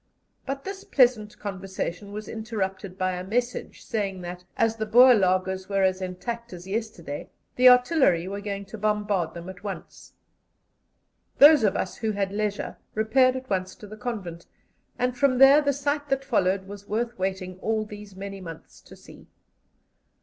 But this pleasant conversation was interrupted by a message, saying that, as the Boer laagers were as intact as yesterday, the artillery were going to bombard them at once. Those of us who had leisure repaired at once to the convent, and from there the sight that followed was worth waiting all these many months to see.